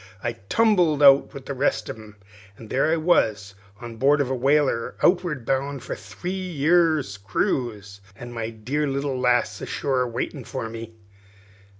I tumbled up with the rest; an' there I was on board of a whaler outward bound for a three years' cruise, an' my dear little lass ashore awaitin' for me."